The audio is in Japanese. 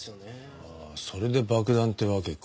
それで爆弾ってわけか。